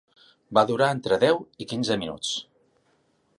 Va durar entre deu i quinze minuts.